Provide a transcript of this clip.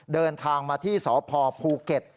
เดินทางมาที่สพภูเก็ต